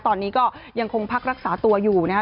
ตอนนี้ก็ยังคงพักรักษาตัวอยู่นะครับ